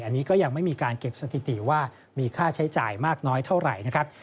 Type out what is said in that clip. อันนี้ก็ยังไม่มีการเก็บสถิติว่ามีค่าใช้จ่ายมากน้อยเท่าไหร่นะครับ